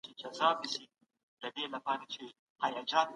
بشري حقونه په نړيواله کچه څنګه پېژندل سوي دي؟